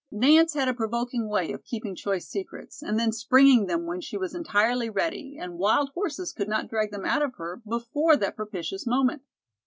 Nance had a provoking way of keeping choice secrets and then springing them when she was entirely ready, and wild horses could not drag them out of her before that propitious moment.